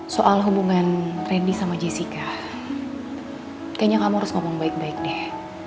soal hubungan randy sama jessica kayaknya kamu harus ngomong baik baik deh